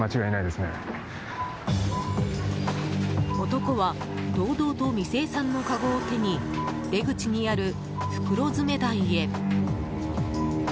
男は堂々と未精算のかごを手に出口にある袋詰め台へ。